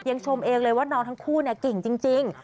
ชมเองเลยว่าน้องทั้งคู่เก่งจริง